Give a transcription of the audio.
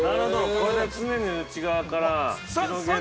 これで常に内側から広げる。